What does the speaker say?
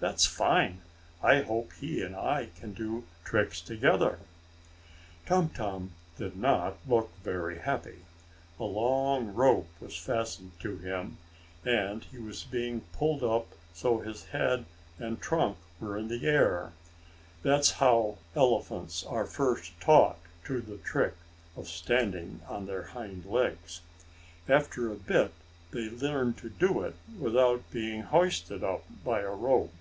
"That's fine! I hope he and I can do tricks together." Tum Tum did not look very happy. A long rope was fastened to him, and he was being pulled up so his head and trunk were in the air. That's how elephants are first taught to do the trick of standing on their hind legs. After a bit they learn to do it without being hoisted up by a rope.